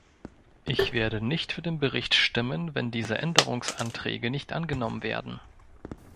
Ich werde nicht für den Bericht stimmen, wenn diese Änderungsanträge nicht angenommen werden.